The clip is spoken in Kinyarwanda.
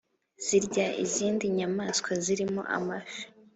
Zirya izindi nyamaswa zirimo amafi